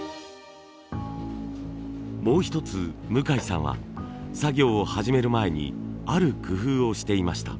もう一つ向さんは作業を始める前にある工夫をしていました。